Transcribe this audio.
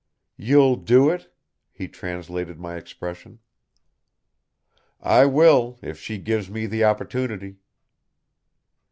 "You'll do it?" he translated my expression. "I will, if she gives me the opportunity."